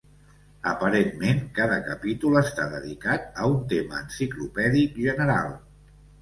Aparentment cada capítol està dedicat a un tema enciclopèdic general.